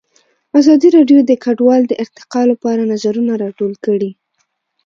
ازادي راډیو د کډوال د ارتقا لپاره نظرونه راټول کړي.